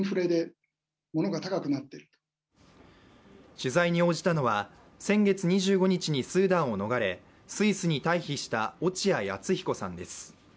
取材に応じたのは、先月２５日にスーダンを逃れスイスに退避した落合厚彦さんです。